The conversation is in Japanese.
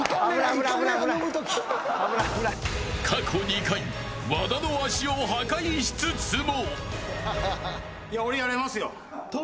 過去２回和田の足を破壊しつつも。